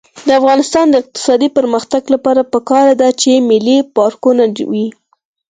د افغانستان د اقتصادي پرمختګ لپاره پکار ده چې ملي پارکونه وي.